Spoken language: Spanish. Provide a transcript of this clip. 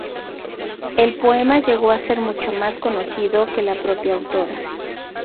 El poema llegó a ser mucho más conocido que la propia autora.